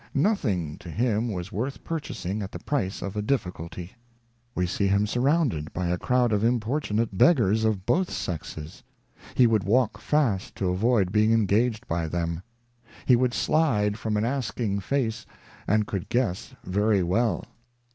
Nothing to him was worth purchasing at the price of a difficulty. We see him surrounded by a crowd of impor tunate beggars of both sexes ; he would walk fast to avoid being engaged by them. ' He would slide from an asking Face, and could guess very well.'